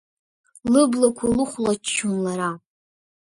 Лыблақәа лыхәлаччон лара.